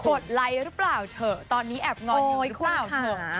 ดไลค์หรือเปล่าเถอะตอนนี้แอบงอนอยู่หรือเปล่าเถอะ